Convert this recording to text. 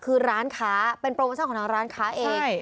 คือร้านค้าเป็นโปรโมชั่นของทางร้านค้าเอง